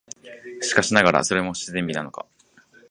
しかしながら、それも自然美なのか、